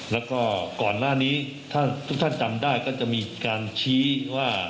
แล้วก็ก่อนหน้านี้ถ้าทุกท่านจำได้ก็จะมีการชี้ว่า